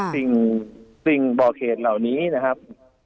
สิ่งบอกเหตุเหล่านี้นะครับ